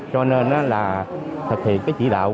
cho nên là thực hiện cái chỉ đạo